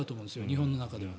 日本の中では。